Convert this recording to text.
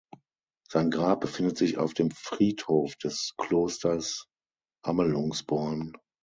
Sein Grab befindet sich auf dem Friedhof des Klosters Amelungsborn.